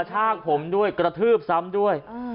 ชากผมด้วยกระทืบซ้ำด้วย